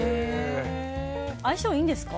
相性いいんですか？